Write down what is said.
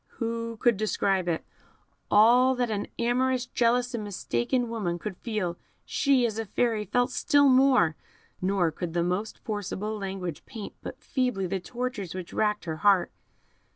Who could describe it? All that an amorous, jealous, and mistaken woman could feel, she, as a Fairy, felt still more; nor could the most forcible language paint but feebly the tortures which racked her heart.